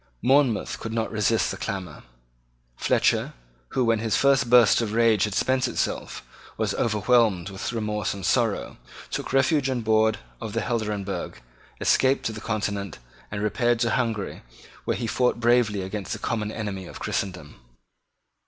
Monmouth could not resist the clamour. Fletcher, who, when his first burst of rage had spent itself, was overwhelmed with remorse and sorrow, took refuge on board of the Helderenbergh, escaped to the Continent, and repaired to Hungary, where he fought bravely against the common enemy of Christendom.